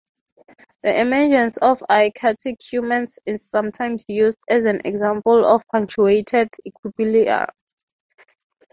The emergence of archaic humans is sometimes used as an example of punctuated equilibrium.